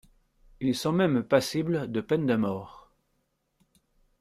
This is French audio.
Ils sont même passible de peine de mort.